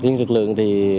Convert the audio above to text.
nhưng lực lượng thì